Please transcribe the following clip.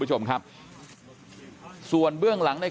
กลุ่มตัวเชียงใหม่